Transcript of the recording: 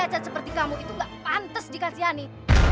cacat seperti kamu itu gak pantas dikasihani